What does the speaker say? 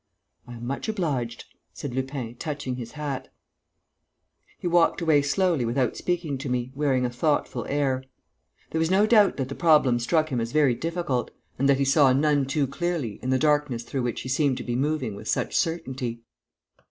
"I am much obliged," said Lupin, touching his hat. He walked away slowly without speaking to me, wearing a thoughtful air. There was no doubt that the problem struck him as very difficult, and that he saw none too clearly in the darkness through which he seemed to be moving with such certainty.